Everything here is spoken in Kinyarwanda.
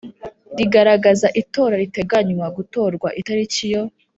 rigaragaza itora riteganywa gukorwa itariki yo